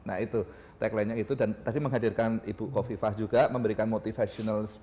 nah itu taglinenya itu dan tadi menghadirkan ibu kofifah juga memberikan motivational speech